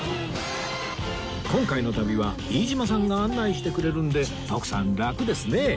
今回の旅は飯島さんが案内してくれるので徳さんラクですね